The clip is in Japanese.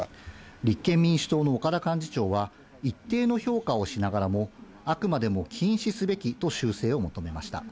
立憲民主党の岡田幹事長は、一定の評価をしながらも、あくまでも禁止すべきと修正を求めました。